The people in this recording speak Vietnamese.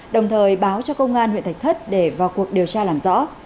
đồng thời báo cho công an huyện thạch thất để vào cuộc điều tra làm rõ